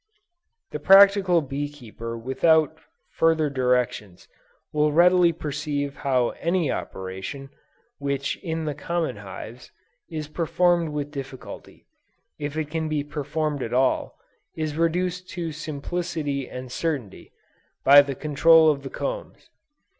The practical bee keeper without further directions, will readily perceive how any operation, which in the common hives, is performed with difficulty, if it can be performed at all, is reduced to simplicity and certainty, by the control of the combs.